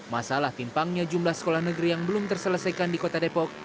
masalah timpangnya jumlah sekolah negeri yang belum terselesaikan di kota depok